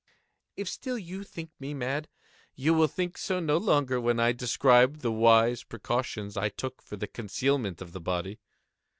If still you think me mad, you will think so no longer when I describe the wise precautions I took for the concealment of the body.